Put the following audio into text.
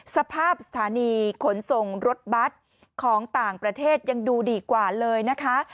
สถานีขนส่งรถบัตรของต่างประเทศยังดูดีกว่าเลยนะคะ